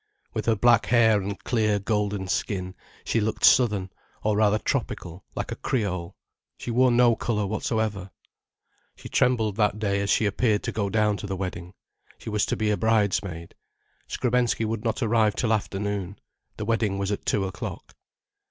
With her black hair and clear golden skin, she looked southern, or rather tropical, like a Creole. She wore no colour whatsoever. She trembled that day as she appeared to go down to the wedding. She was to be a bridesmaid. Skrebensky would not arrive till afternoon. The wedding was at two o'clock.